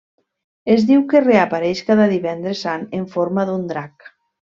Es diu que reapareix cada Divendres Sant en forma d'un drac.